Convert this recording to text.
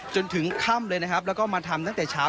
จนถึงค่ำเลยนะครับแล้วก็มาทำตั้งแต่เช้า